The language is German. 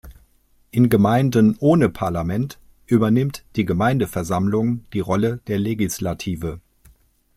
In Gemeinden ohne Parlament übernimmt die Gemeindeversammlung die Rolle der Legislative.